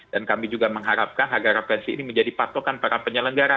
dan kami juga mengharapkan harga referensi ini menjadi patokan para penyelenggara